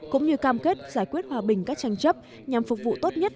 cũng như cam kết giải quyết hòa bình các tranh chấp